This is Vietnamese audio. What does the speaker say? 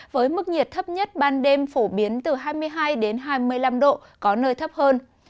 với mức nhiệt thấp nhất ban đêm phổ biến từ hai mươi hai đến hai mươi năm độ có nơi thấp hơn